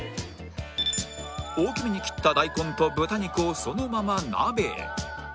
大きめに切った大根と豚肉をそのまま鍋へ